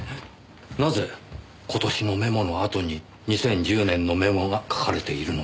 なぜ今年のメモのあとに２０１０年のメモが書かれているのでしょう。